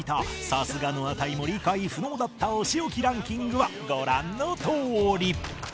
さすがのアタイも理解不能だったお仕置きランキングはご覧のとおり